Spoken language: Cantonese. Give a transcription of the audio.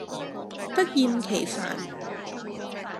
不厭其煩